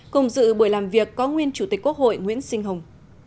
cùng dự buổi làm việc có nguyên chủ tịch quốc hội nguyễn sinh hùng